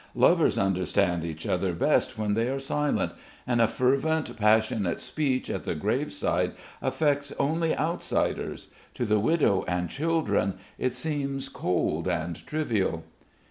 Lovers understand each other best when they are silent, and a fervent passionate speech at the graveside affects only outsiders. To the widow and children it seems cold and trivial.